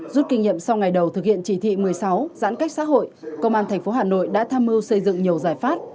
rút kinh nghiệm sau ngày đầu thực hiện chỉ thị một mươi sáu giãn cách xã hội công an tp hà nội đã tham mưu xây dựng nhiều giải pháp